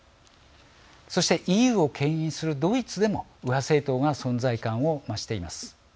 そしてＥＵをけん引するドイツでも右派政党が存在感を増しています。